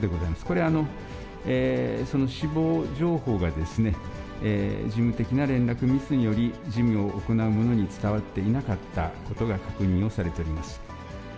これ、その死亡情報が、事務的な連絡ミスにより、事務を行う者に伝わっていなかったことが確認をされております。